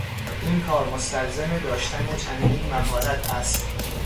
این کار مستلزم داشتن چندین مهارت است.